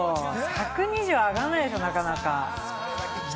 １２０は上がらないですよ、なかなか。